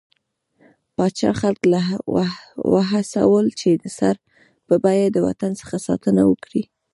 پاچا خلک له وهڅول، چې د سر په بيه د وطن څخه ساتنه وکړي.